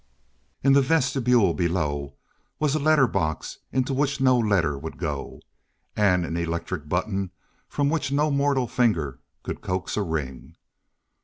In the vestibule below was a letter box into which no letter would go, and an electric button from which no mortal finger could coax a ring.